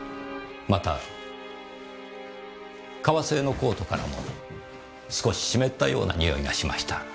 また革製のコートからも少し湿ったような匂いがしました。